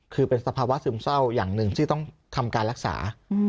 คือเป็นสภาวะซึมเศร้าอย่างหนึ่งที่ต้องทำการรักษา